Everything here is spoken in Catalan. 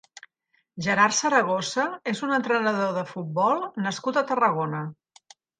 Gerard Zaragoza és un entrenador de futbol nascut a Tarragona.